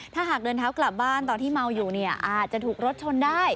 ถ้าหากเดินเท้ากลับบ้านตอนที่เมาอยู่เนี่ยอาจจะถูกรถชนได้